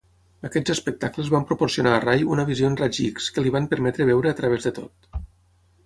Aquests espectacles van proporcionar a Ray una visió en raigs X que li van permetre veure a través de tot.